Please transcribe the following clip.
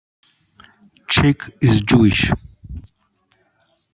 Chick is Jewish.